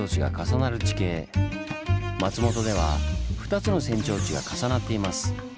松本では２つの扇状地が重なっています。